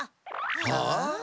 はあ？